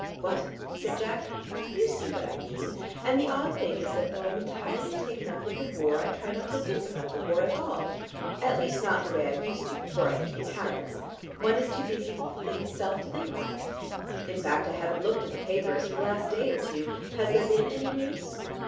"What?" said Jack. "You see what I mean. And the odd thing is that though I'm entirely taken up with the war, I try not to think about the war at all, at least not in the way I used to before I became Harrods. One is too busy with the thing itself to think about it. In fact, I haven't looked at the papers for the last day or two. Has there been any news?"